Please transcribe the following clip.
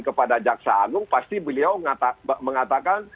kepada jaksa agung pasti beliau mengatakan